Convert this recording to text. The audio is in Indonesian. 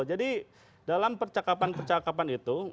jadi dalam percakapan percakapan itu